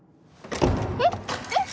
えっえっ？